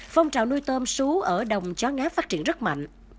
phong trào nuôi tôm xú ở đồng chó ngáp phát triển rất mạnh